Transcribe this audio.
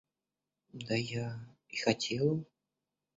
Да я и хотела.